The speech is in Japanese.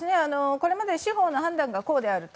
これまで司法の判断がこうであると。